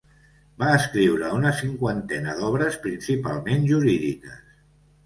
Va escriure una cinquantena d'obres, principalment jurídiques.